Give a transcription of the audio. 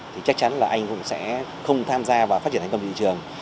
thì chắc chắn là anh cũng sẽ không tham gia vào phát triển hành công thị trường